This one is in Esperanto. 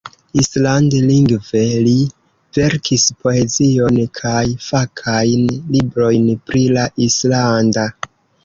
Island-lingve li verkis poezion kaj fakajn librojn pri la islanda.